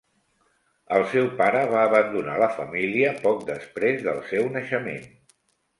El seu pare va abandonar la família poc després del seu naixement.